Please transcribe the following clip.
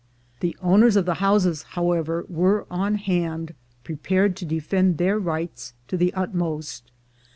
The owners of the houses, however, were "on hand," prepared to defend their rights to the utmost.